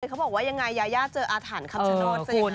เขาบอกว่ายังไงยายาเจออาถรรพ์คำชะนดสิ